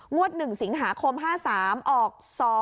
งวด๑สิงหาคม๕๓ออก๒๑๐๐๐๘